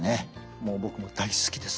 もう僕も大好きです。